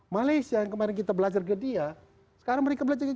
malaysia yang kemarin kita belajar ke dia sekarang mereka belajar